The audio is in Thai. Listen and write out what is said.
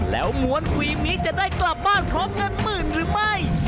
แล้วม้วนฟิล์มนี้จะได้กลับบ้านพร้อมเงินหมื่นหรือไม่